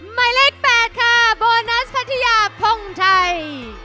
หมายเลข๘ค่ะโบนัสพัทยาพงชัย